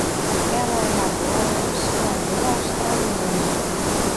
Ela é agora um cidadão australiano.